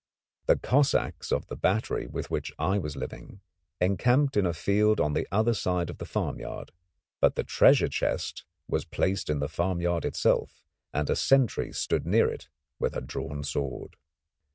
The Cossacks of the battery with which I was living encamped in a field on the other side of the farmyard, but the treasure chest was placed in the farmyard itself, and a sentry stood near it with a drawn sword.